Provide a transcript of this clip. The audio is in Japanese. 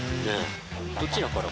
どちらから。